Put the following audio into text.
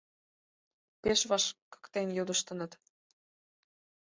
Пеш вашкыктен йодыштыныт.